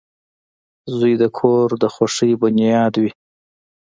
• زوی د کور د خوښۍ بنیاد وي.